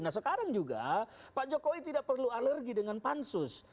nah sekarang juga pak jokowi tidak perlu alergi dengan pansus